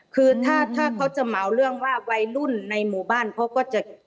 คือถ้าเขาจะเหมาเรื่องว่าวัยรุ่นในหมู่บ้านเขาก็จะ